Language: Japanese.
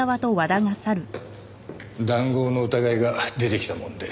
談合の疑いが出てきたもんで。